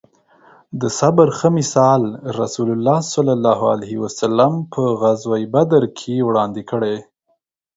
د صبر ښه مثال رسول الله ص په غزوه بدر کې وړاندې کړی